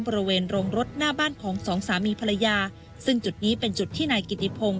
บริเวณโรงรถหน้าบ้านของสองสามีภรรยาซึ่งจุดนี้เป็นจุดที่นายกิติพงศ